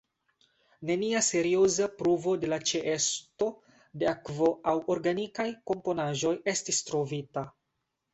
Nenia serioza pruvo de la ĉeesto de akvo aŭ organikaj komponaĵoj estis trovita.